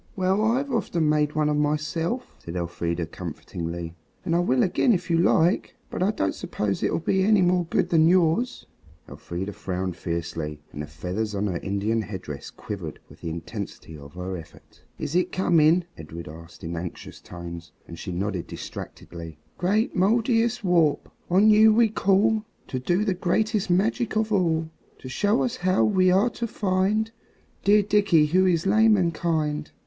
"Well, I've often made one of myself," said Elfrida comfortingly, "and I will again if you like. But I don't suppose it'll be any more good than yours." Elfrida frowned fiercely and the feathers on her Indian head dress quivered with the intensity of her effort. "Is it coming?" Edred asked in anxious tones, and she nodded distractedly. "Great Mouldiestwarp, on you we call To do the greatest magic of all; To show us how we are to find Dear Dickie who is lame and kind.